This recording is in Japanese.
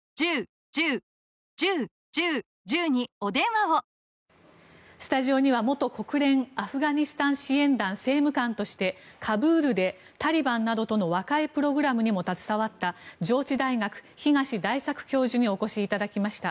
こうした中、中国がスタジオには元国連アフガニスタン支援団政務官としてカブールでタリバンなどとの和解プログラムにも携わった上智大学、東大作教授にお越しいただきました。